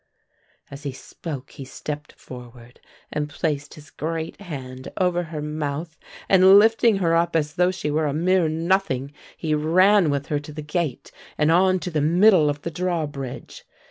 As he spoke he stepped forward and placed his great hand over her mouth and lifting her up as though she were a mere nothing, he ran with her to the gate and on to the middle of the drawbridge.